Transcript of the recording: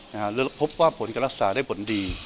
แล้วพบว่าผลการรักษาได้ผลดี